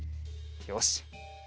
よし。